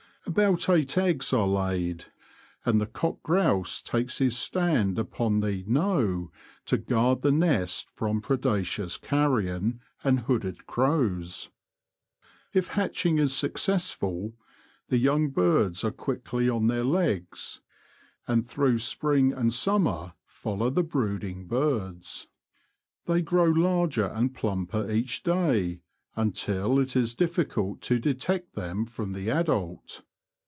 About eight eggs are laid, and the cock grouse takes his stand upon the " knowe " to guard the nest from predaceous carrion and hooded crows. If hatching is successful the young birds are quickly on their legs, and through spring and summer follow the brooding birds. They grow larger and plumper each day, until it is difficut to detect them from the adult.